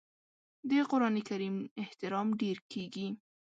د قران کریم احترام ډیر کیږي.